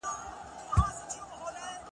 چي د تل لپاره !.